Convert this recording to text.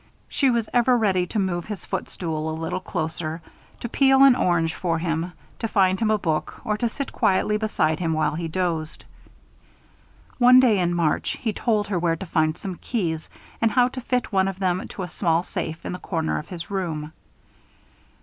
She was ever ready to move his foot stool a little closer, to peel an orange for him, to find him a book, or to sit quietly beside him while he dozed. One day, in March, he told her where to find some keys and how to fit one of them to a small safe in the corner of his room.